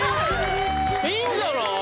いいんじゃない？